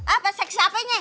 apa seks siapanya